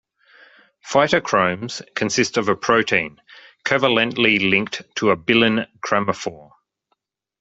Phytochromes consist of a protein, covalently linked to a bilin chromophore.